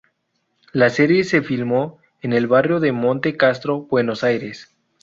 La serie se filmó en el barrio de Monte Castro, Buenos Aires.